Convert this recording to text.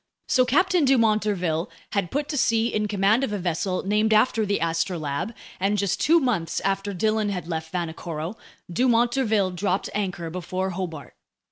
So Captain Dumont d'Urville had put to sea in command of a vessel named after the Astrolabe, and just two months after Dillon had left Vanikoro, Dumont d'Urville dropped anchor before Hobart.